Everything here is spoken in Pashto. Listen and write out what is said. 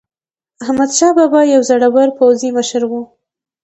احمدشاه بابا یو زړور پوځي مشر و.